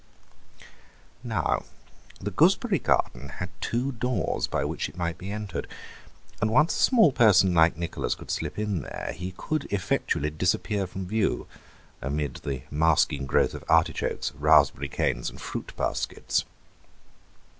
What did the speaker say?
Now the gooseberry garden had two doors by which it might be entered, and once a small person like Nicholas could slip in there he could effectually disappear from view amid the masking growth of artichokes, raspberry canes, and fruit bushes.